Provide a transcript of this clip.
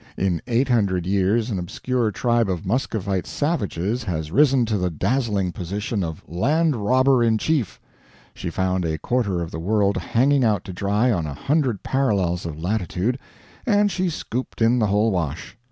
In 800 years an obscure tribe of Muscovite savages has risen to the dazzling position of Land Robber in Chief; she found a quarter of the world hanging out to dry on a hundred parallels of latitude, and she scooped in the whole wash.